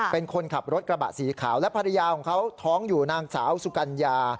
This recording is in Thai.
เป็นคนขับรถกระบะสีขาวและภรรยาของเขาท้องอยู่นางสาวสุกัญญา